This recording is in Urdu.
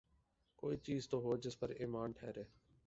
کوئی چیز تو ہو جس پہ ایمان ٹھہرے۔